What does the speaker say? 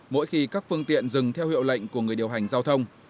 mỗi khi các phương tiện dừng theo hiệu lệnh của người điều hành giao thông